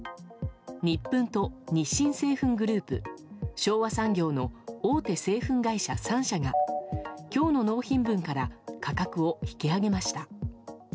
ニップンと日清製粉グループ昭和産業の大手製粉会社３社が今日の納品分から価格を引き上げました。